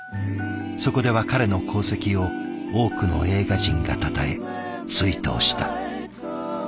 そこでは彼の功績を多くの映画人がたたえ追悼した。